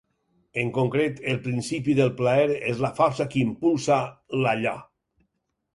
En concret, el principi del plaer és la força que impulsa l'"allò".